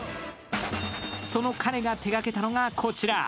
その彼が手がけたのがこちら。